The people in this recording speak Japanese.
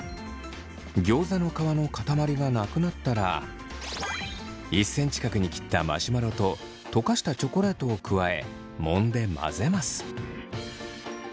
ギョーザの皮の塊がなくなったら１センチ角に切ったマシュマロと溶かしたチョコレートを加えもんで混ぜます。